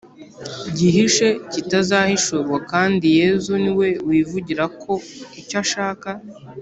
gihishe kitazahishurwa, kandi yezu niwe wivugira ko icyo ashaka